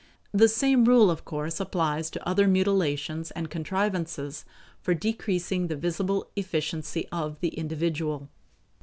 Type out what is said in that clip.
The same rule of course applies to other mutilations and contrivances for decreasing the visible efficiency of the individual.